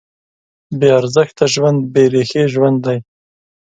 بېارزښته ژوند بېریښې ژوند دی.